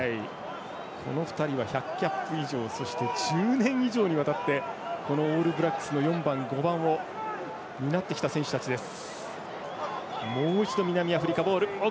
この２人は１００キャップ以上そして１０年以上にわたってこのオールブラックスの４番、５番を担ってきた選手たちです。